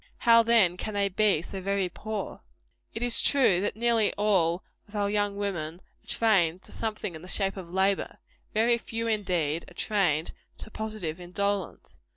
How, then, can they be so very poor? It is true, that nearly all of our young women are trained to something in the shape of labor. Very few, indeed, are trained to positive indolence.